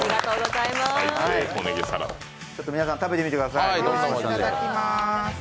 ちょっと皆さん、食べてみてください。